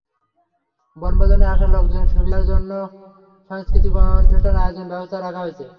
বনভোজনে আসা লোকজনের সুবিধার জন্য সংস্কৃতিক অনুষ্ঠান আয়োজনের ব্যবস্থাও রাখা হয়েছে।